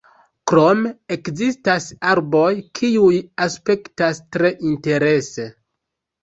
Krome ekzistas arboj, kiuj aspektas tre interese.